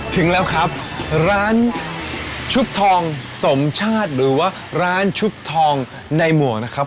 ถึงแล้วครับร้านชุบทองสมชาติหรือว่าร้านชุบทองในหมวกนะครับ